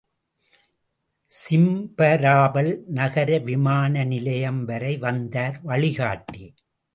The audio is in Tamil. சிம்பராபல் நகர விமான நிலையம் வரை வந்தார் வழிகாட்டி.